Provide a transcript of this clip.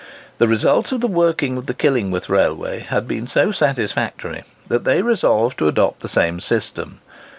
The result of the working of the Killingworth Railway had been so satisfactory, that they resolved to adopt the same system.